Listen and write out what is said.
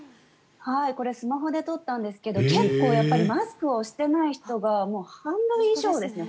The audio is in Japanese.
これスマホで撮ったんですけど結構、マスクをしていない人が半分以上ですね。